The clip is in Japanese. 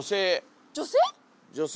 女性？